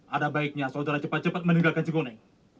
ada baiknya saudara cepat cepat meninggalkan cikone